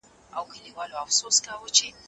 سياسي اندونه او فلسفه د خلکو ذهنونه روښانه کوي.